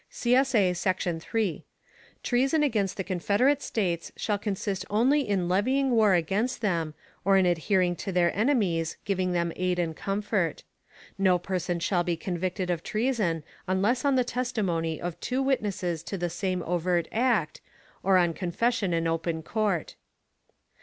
[CSA] Section 3. Treason against the Confederate States shall consist only in levying war against them, or in adhering to their enemies, giving them aid and comfort. No person shall be convicted of treason unless on the testimony of two witnesses to the same overt act, or on confession in open court.